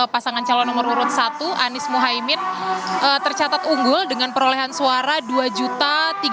pasangan calon nomor urut satu anies muhaimin tercatat unggul dengan perolehan suara dua tiga ratus enam puluh sembilan lima ratus tiga puluh empat